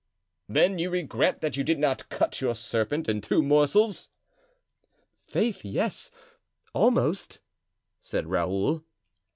"Then you regret that you did not cut your serpent in two morsels?" "Faith, yes, almost," said Raoul.